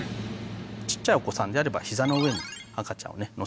ちっちゃいお子さんであれば膝の上に赤ちゃんをね